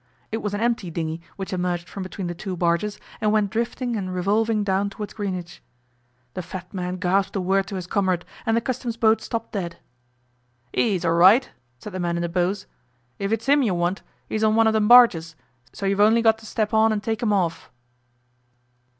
It was an empty dinghy which emerged from between the two barges and went drifting and revolving down towards Greenwich. The fat man gasped a word to his comrade, and the Customs boat stopped dead. ''E's all right,' said the man in the bows. 'If it's 'im you want, 'e's on one o' them barges, so you've only got to step on and take 'im orf.